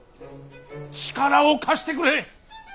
力を貸してくれ。